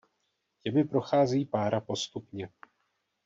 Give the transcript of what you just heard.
Těmi prochází pára postupně.